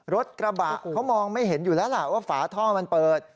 รถกระบะเขามองไม่เห็นอยู่แล้วล่ะว่าฝาท่อมันเปิด